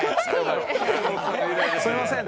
すいません。